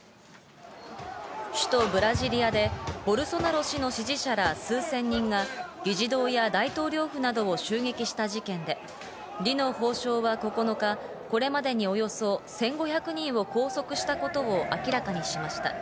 首都ブラジリアでボルソナロ氏の支持者ら数千人が議事堂や大統領府などを襲撃した事件で、ディノ法相は９日、これまでにおよそ１５００人を拘束したことを明らかにしました。